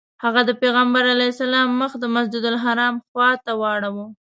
هغه د پیغمبر علیه السلام مخ د مسجدالحرام خواته واړوه.